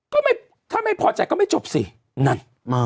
ก็ไม่ถ้าไม่พอใจก็ไม่จบสินั่น